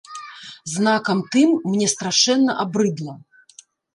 Знакам тым, мне страшэнна абрыдла.